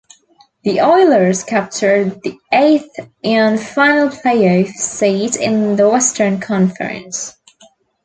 The Oilers captured the eighth and final playoff seed in the Western Conference.